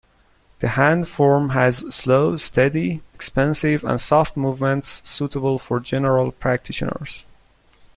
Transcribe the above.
The Hand Form has slow, steady, expansive and soft movements suitable for general practitioners.